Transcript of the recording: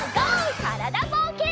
からだぼうけん。